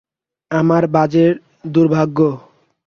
আমার বাজে দুর্ভাগ্য।